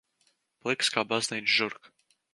Pliks kā baznīcas žurka.